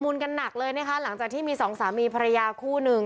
กันหนักเลยนะคะหลังจากที่มีสองสามีภรรยาคู่หนึ่ง